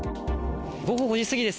午後５時過ぎです。